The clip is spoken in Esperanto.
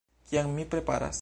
Kiam mi preparas